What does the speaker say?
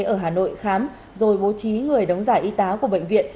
ở hà nội khám rồi bố trí người đóng giả y tá của bệnh viện